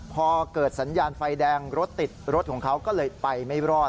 พอเกิดสัญญาณไฟแดงรถติดรถของเขาก็เลยไปไม่รอด